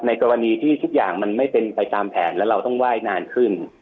กรณีที่ทุกอย่างมันไม่เป็นไปตามแผนแล้วเราต้องไหว้นานขึ้น